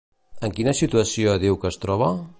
En quina situació diu que es troba?